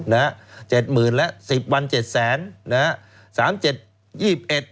นะฮะเจ็ดหมื่นแล้วสิบวันเจ็ดแสนนะฮะสามเจ็ดยี่สิบเอ็ด